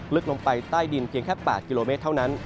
ลึกลงไปใต้ดินเพียงแค่๘กิโลเมตรเท่านั้น